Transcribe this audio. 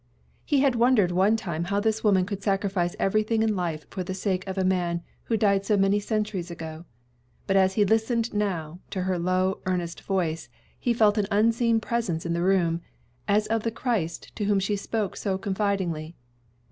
He had wondered one time how this woman could sacrifice everything in life for the sake of a man who died so many centuries ago. But as he listened now, to her low, earnest voice, he felt an unseen Presence in the room, as of the Christ to whom she spoke so confidingly.